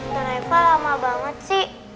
telepon lama banget sih